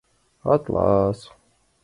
— Атлас!